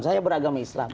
saya beragama islam